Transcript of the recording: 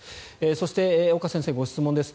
そして、岡先生にご質問です。